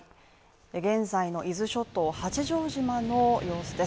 現在の伊豆諸島八丈島の様子です。